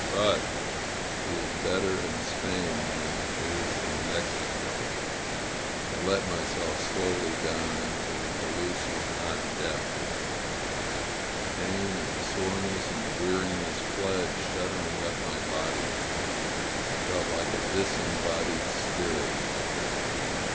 But He is better in Spain than He is in Mex ICO. ..." I let myself slowly down into the pellucid, hot depths. The pain and the soreness and the weariness fled shud dering up my body. I felt like a disembodied spirit.